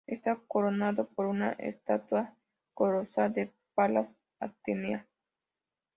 Está coronado por una estatua colosal de Palas Atenea.